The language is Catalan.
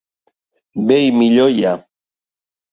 Bé i millor hi ha.